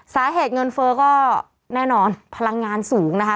สาเหตุเงินเฟ้อก็แน่นอนพลังงานสูงนะคะ